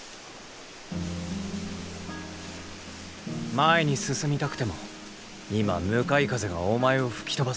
前に進みたくても今向かい風がお前を吹き飛ばす。